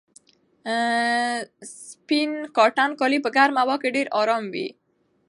سپین کاټن کالي په ګرمه هوا کې ډېر ارام وي.